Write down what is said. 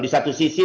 di satu sisi